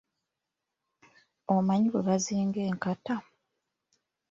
Omanyi bwe bazinga enkata?